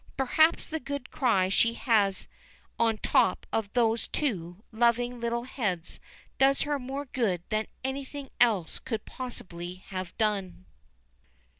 Perhaps the good cry she has on top of those two loving little heads does her more good than anything else could possibly have done.